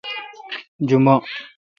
جمعہ